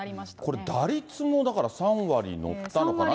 これ、打率もだから３割乗ったのかな。